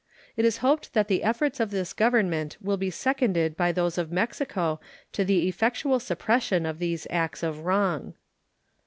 It is hoped that the efforts of this Government will be seconded by those of Mexico to the effectual suppression of these acts of wrong.